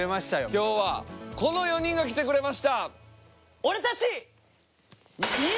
きょうはこの４人が来てくれました。